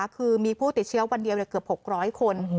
คือมีผู้ติดเชื้อวันเดียวเกือบ๖๐๐คน